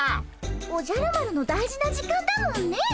おじゃる丸の大事な時間だもんね。